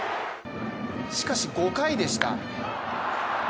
しかし５回でした。